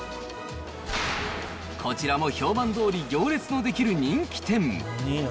こちらも評判どおり、行列の出来る人気店。